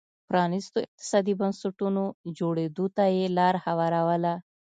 پرانيستو اقتصادي بنسټونو جوړېدو ته یې لار هواروله.